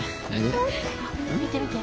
・見て見て。